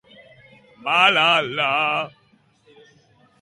Lehen proiektuetan tradizio japoniarra eta teknologia oso aurreratua batu zituen.